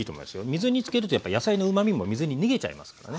水につけるとやっぱ野菜のうまみも水に逃げちゃいますからね。